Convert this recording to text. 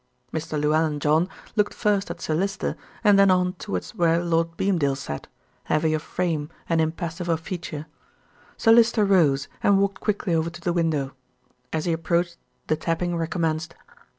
Mr. Llewellyn John looked first at Sir Lyster and then on towards where Lord Beamdale sat, heavy of frame and impassive of feature. Sir Lyster rose and walked quickly over to the window. As he approached the tapping recommenced.